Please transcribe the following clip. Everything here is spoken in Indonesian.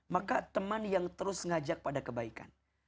maka teman yang terus ngajak pada kebaikan